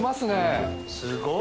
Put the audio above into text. すごいな。